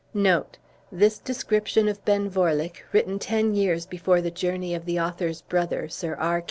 This description of Ben Vorlich, written ten years before the journey of the author's brother, Sir. R.